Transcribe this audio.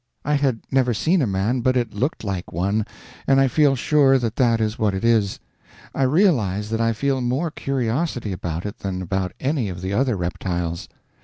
I had never seen a man, but it looked like one, and I feel sure that that is what it is. I realize that I feel more curiosity about it than about any of the other reptiles.